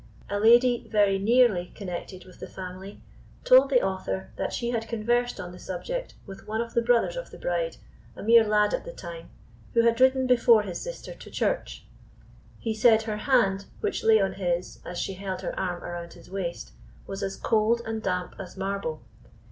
A lady, very nearly connected with the family, told the Author that she had conversed on the subject with one of the brothers of the bride, a mere lad at the time, who had ridden before his sister to church. He said her hand, which lay on his as she held her arm around his waist, was as cold and damp as marble.